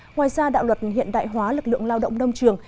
ngoài ra đạo luật hiện đại hóa lực lượng lao động nông trường